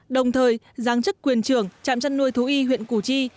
đồng thời giáng chức quyền trưởng trạm chăn nuôi thú y huyện củ chi